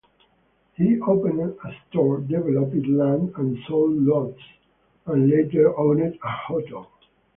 He opened a store, developed land and sold lots, and later owned a hotel.